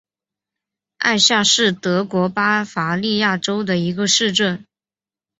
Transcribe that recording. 艾夏是德国巴伐利亚州的一个市镇。